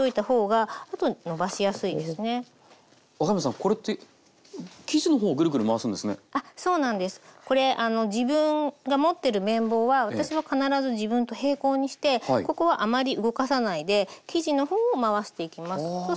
これ自分が持ってる麺棒は私は必ず自分と平行にしてここはあまり動かさないで生地の方を回していきます。